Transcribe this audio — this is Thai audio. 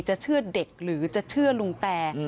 เชื่อเด็กหรือจะเชื่อลุงแต